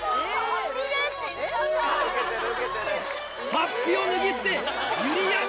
ハッピを脱ぎ捨てゆりやん